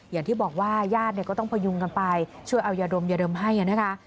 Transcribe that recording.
อย่างที่บอกว่าญาติก็ต้องพยุงกันไปช่วยเอายาดมยาดมให้นะคะ